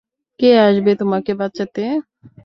কে আসবে তোমাকে বাঁচাতে?